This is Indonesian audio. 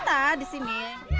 masa di sini